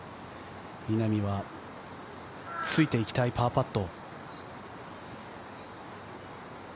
稲見はついていきたい、パーパット。